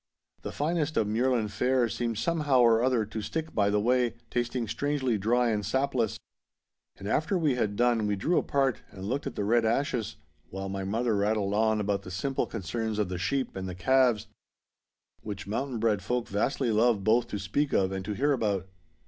The finest of muirland fare seemed somehow or other to stick by the way, tasting strangely dry and sapless. And after we had done we drew apart and looked at the red ashes, while my mother rattled on about the simple concerns of the sheep and the calves, which mountain bred folk vastly love both to speak of and to hear about.